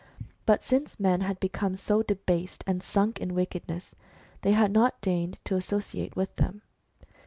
But since men had become so debased, and sunk in wickedness, they had not deigned to associate with them.